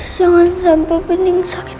jangan sampai mending sakit